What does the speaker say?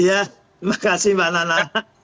ya terima kasih mbak nana